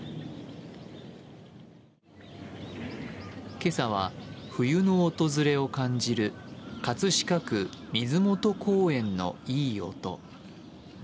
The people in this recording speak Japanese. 今朝は冬の訪れを感じる葛飾区、水元公園のいい音。